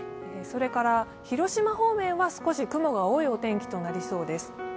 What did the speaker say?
それから広島方面は少し雲が多いお天気となりそうです。